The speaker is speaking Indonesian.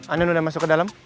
andin udah masuk ke dalam